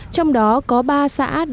trong đó có ba xã đạt xã nông thôn